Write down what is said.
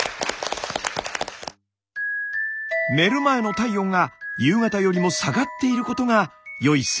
寝る前の体温が夕方よりも下がっていることがよい